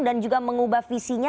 dan juga mengubah visinya